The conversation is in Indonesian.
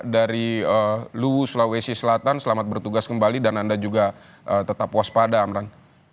dari luwu sulawesi selatan selamat bertugas kembali dan anda juga tetap waspada amran